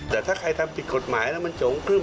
แต่ถ้าใครทำผิดกฎหมายแล้วมันจงครึ่